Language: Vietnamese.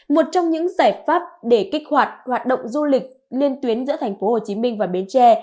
một trong những giải pháp để kích hoạt hoạt động du lịch liên tuyến giữa thành phố hồ chí minh và bến tre